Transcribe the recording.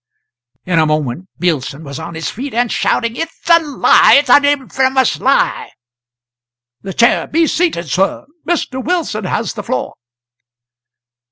] In a moment Billson was on his feet and shouting: "It's a lie! It's an infamous lie!" The Chair. "Be seated, sir! Mr. Wilson has the floor."